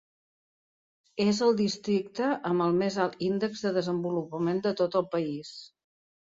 És el districte amb el més alt índex de desenvolupament de tot el país.